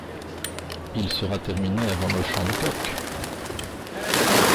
Il sera terminé avant le chant du coq.